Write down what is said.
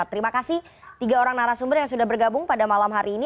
terima kasih tiga orang narasumber yang sudah bergabung pada malam hari ini